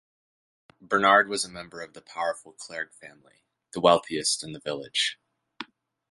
Bernard was a member of the powerful Clergue family, the wealthiest in the village.